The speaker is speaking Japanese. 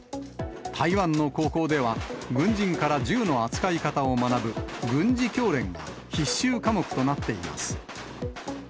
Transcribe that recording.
台湾の高校では、軍人から銃の扱い方を学ぶ、軍事教練が必修科目となっています。